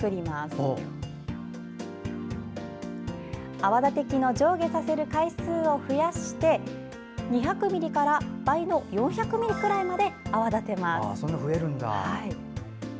泡立て器の上下させる回数を増やして２００ミリから倍の４００ミリくらいまで泡立てます。